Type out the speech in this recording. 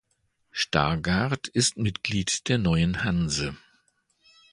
Stargard ist Mitglied der Neuen Hanse.